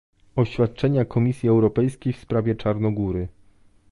oświadczenia Komisji Europejskiej w sprawie Czarnogóry,